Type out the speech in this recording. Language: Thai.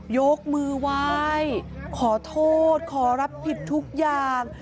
ยกมือไหว้ขอโทษขอรับผิดทุกอย่าง